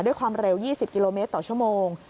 ด้วยความเร็ว๒๐กิโลเมตรต่อชั่วโมง